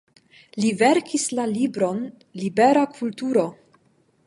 Li verkis la libron "Libera kulturo".